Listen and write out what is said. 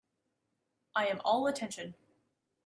I am all attention.